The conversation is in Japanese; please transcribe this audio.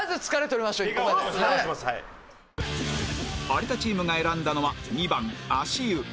有田チームが選んだのは２番足湯